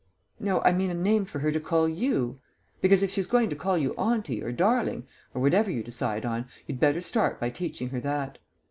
"No, I mean a name for her to call you. Because if she's going to call you 'Auntie' or 'Darling,' or whatever you decide on, you'd better start by teaching her that."